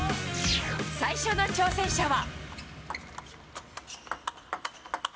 最初の挑戦者は。